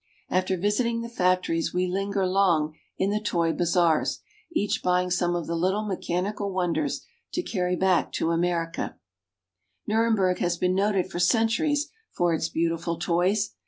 After visiting the factories we lin ger long in the toy bazars, each buying some of the little mechanical wonders to carry back to Victory Gate, Munich. Nuremberg has been noted for centuries for its beautiful toys.